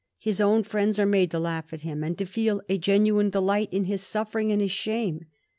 His own friends are made to laugh at him, and to feel a genuine delight in his suffering and his shame.